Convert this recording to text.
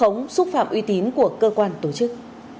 nhín của cơ quan tổ chức